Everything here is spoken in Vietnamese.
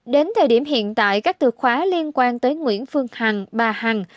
đến thời điểm hiện tại các từ khóa liên quan tới nguyễn phương hằng bà hằng